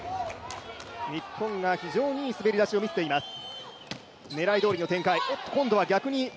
日本が非常にいい滑り出しを見せています。